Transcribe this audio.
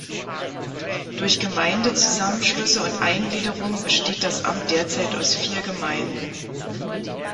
Durch Gemeindezusammenschlüsse und Eingliederungen besteht das Amt derzeit aus vier Gemeinden.